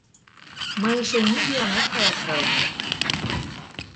Мый эше нигӧланат каласкален омыл.